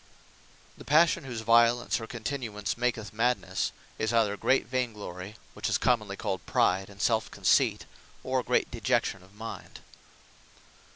The Passion, whose violence, or continuance maketh Madnesse, is either great Vaine Glory; which is commonly called Pride, and Selfe Conceipt; or great Dejection of mind.